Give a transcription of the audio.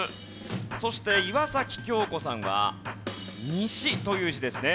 そして岩崎恭子さんは「西」という字ですね。